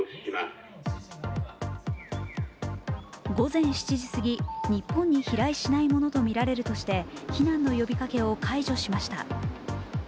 午前７時すぎ、日本に飛来しないものとみられるとして避難の呼びかけを解除しました。